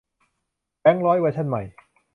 แบงก์ร้อยเวอร์ชันใหม่